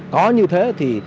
có như thế thì